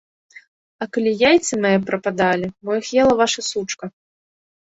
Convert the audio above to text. А калі яйцы мае прападалі, мо іх ела ваша сучка.